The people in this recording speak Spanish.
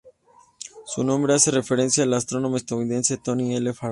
Su nombre hace referencia al astrónomo estadounidense Tony L. Farnham.